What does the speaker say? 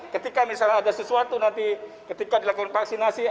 ketika misalnya ada sesuatu nanti ketika dilakukan vaksinasi